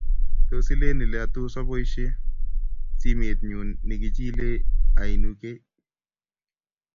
Tos iliin ile tos aboishee simet nyu nekichilei aunikei?